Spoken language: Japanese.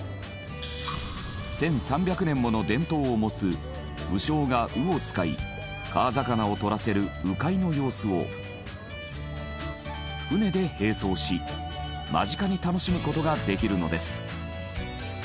１３００年もの伝統を持つ鵜匠が鵜を使い川魚を獲らせる鵜飼の様子を船で並走し間近に楽しむ事ができるのです。